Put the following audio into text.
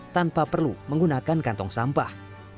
tanpa perlu menggunakan kantong sampah